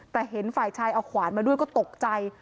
แต่เห็นฝ่ายชายเอาขวานมาด้วยก็ตกใจ